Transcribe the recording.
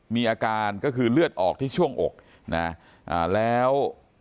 มีอาการก็คือเลือดออกที่ช่วงอกนะอ่าแล้ว